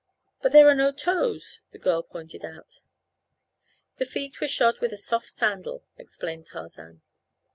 "But there are no toes," the girl pointed out. "The feet were shod with a soft sandal," explained Tarzan.